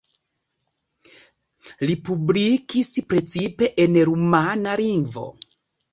Li publikis precipe en rumana lingvo.